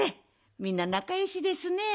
みんななかよしですねえ。